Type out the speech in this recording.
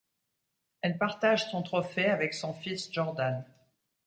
Elle partage son trophée avec son fils Jordan.